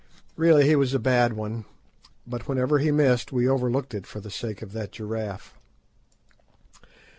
Really he was a bad one, but whenever he missed we overlooked it for the sake of that giraffe.